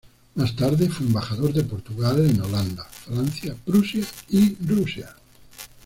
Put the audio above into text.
Más tarde fue embajador de Portugal en Holanda, Francia, Prusia y Rusia.